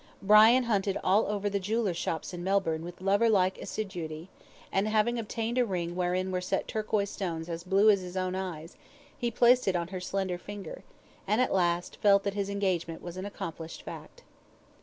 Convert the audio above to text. Brian hunted all over the jewellers' shops in Melbourne with lover like assiduity, and having obtained a ring wherein were set turquoise stones as blue as his own eyes, he placed it on her slender finger, and at last felt that his engagement was an accomplished fact.